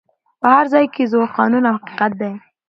په هر ځای کي زور قانون او حقیقت دی